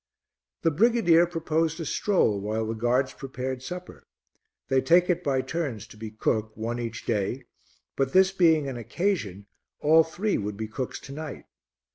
The brigadier proposed a stroll while the guards prepared supper they take it by turns to be cook, one each day, but this being an occasion, all three would be cooks to night.